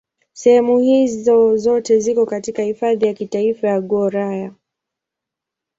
Sehemu hizo zote ziko katika Hifadhi ya Kitaifa ya Gouraya.